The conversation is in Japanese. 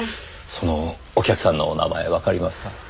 そのお客さんのお名前わかりますか？